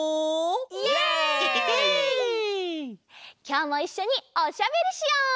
きょうもいっしょにおしゃべりしよう！